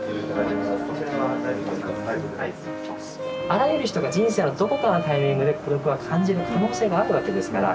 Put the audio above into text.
あらゆる人が人生のどこかのタイミングで孤独は感じる可能性があるわけですから。